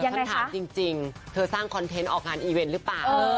คำถามจริงเธอสร้างคอนเทนต์ออกงานอีเวนต์หรือเปล่า